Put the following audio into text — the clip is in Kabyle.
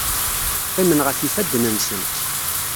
Qqimen ɣef yifadden-nsen.